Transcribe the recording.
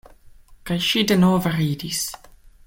Kaj ŝi denove ridis.